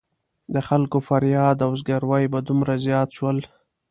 د خلکو فریاد او زګېروي به دومره زیات شول.